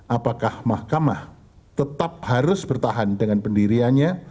apakah mahkamah tetap harus bertahan dengan pendiriannya